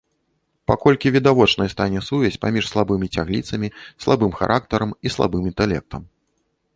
Паколькі відавочнай стане сувязь паміж слабымі цягліцамі, слабым характарам і слабым інтэлектам.